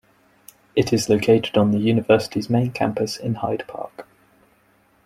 It is located on the University's main campus in Hyde Park.